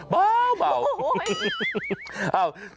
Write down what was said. เบาเบาโอ้โฮ